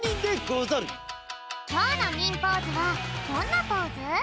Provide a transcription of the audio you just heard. きょうの忍ポーズはどんなポーズ？